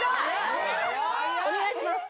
お願いします